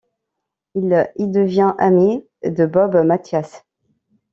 Il y devient ami de Bob Mathias.